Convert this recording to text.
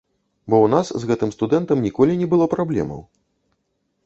Бо ў нас з гэтым студэнтам ніколі не было праблемаў.